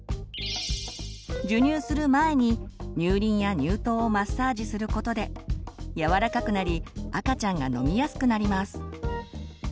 授乳する前に乳輪や乳頭をマッサージすることで柔らかくなり赤ちゃんが飲みやすくなります。